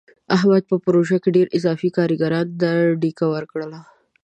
احمد په پروژه کې ډېرو اضافي کارګرانو ته ډیکه ورکړله.